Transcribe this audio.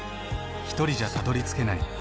ひとりじゃたどりつけない未来がある。